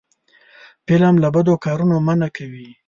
فلم له بدو کارونو منع کوي